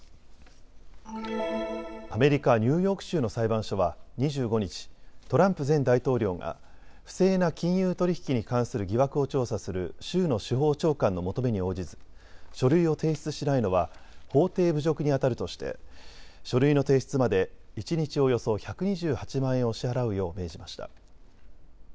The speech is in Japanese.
アメリカ・ニューヨーク州の裁判所は２５日、トランプ前大統領が不正な金融取引に関する疑惑を調査する州の司法長官の求めに応じず書類を提出しないのは法廷侮辱にあたるとして書類の提出まで一日およそ１２８万円を支払うよう命じました。